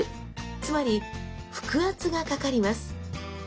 つまり腹圧がかかります。